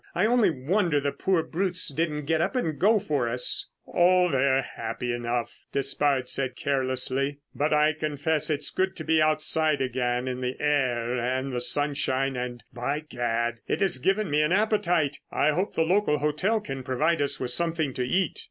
I only wonder the poor brutes didn't get up and go for us." "Oh, they're happy enough," Despard said carelessly. "But, I confess it's good to be outside again in the air and the sunshine, and, by gad! it has given me an appetite. I hope the local hotel can provide us with something to eat."